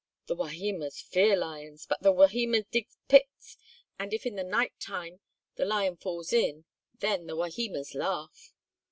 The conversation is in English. "The Wahimas fear lions but the Wahimas dig pits and if in the night time the lion falls in, then the Wahimas laugh."